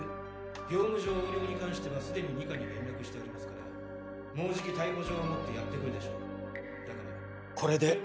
業務上横領に関してはすでに二課に連絡してありますからもうじき逮捕状を持ってやってくるでしょう。